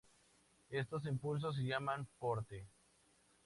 Estos impulsos se llaman "porte".